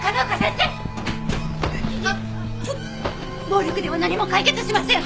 暴力では何も解決しません！